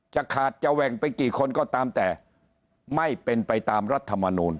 จะขาดจะแหว่งไปกี่คนก็ตามแต่ไม่เป็นไปตามรัฐมนูล